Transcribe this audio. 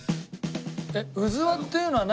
うずわっていうのは何？